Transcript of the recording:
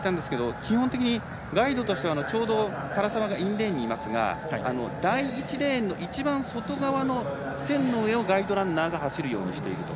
基本的に、ガイドとしてはちょうど唐澤がインレーンにいますが第１レーンの一番外側の線の上をガイドランナーが走るようにしている。